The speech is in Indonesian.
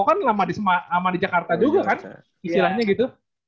kan lama di jakarta juga kan istilahnya gitu